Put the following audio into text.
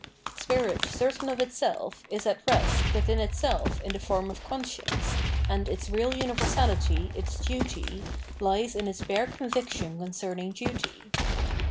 Spirit certain of itself is at rest witbin itself in tbe form of conscience, and its real universabty, its duty, bes in its bare conviction con cerning duty.